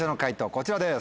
こちらです。